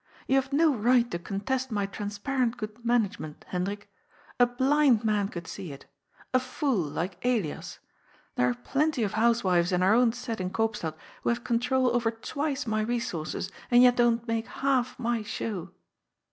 You have no right to con test my transparent good management, Hendrik. A blind man could see it — a fool, like Elias. There are plenty of housewives in our own set in Koopstad who have control over twice my resources and yet don't make half my show."